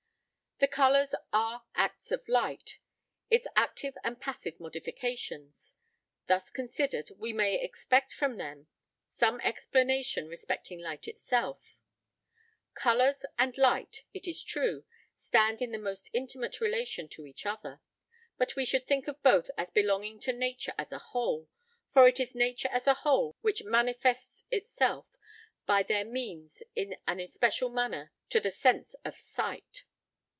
The colours are acts of light; its active and passive modifications: thus considered we may expect from them some explanation respecting light itself. Colours and light, it is true, stand in the most intimate relation to each other, but we should think of both as belonging to nature as a whole, for it is nature as a whole which manifests itself by their means in an especial manner to the sense of sight.